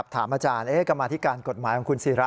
ถามอาจารย์กรรมาธิการกฎหมายของคุณศิรา